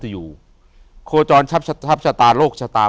อยู่ที่แม่ศรีวิรัยิลครับ